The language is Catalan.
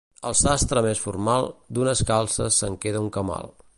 El sastre més formal, d'unes calces se'n queda un camal.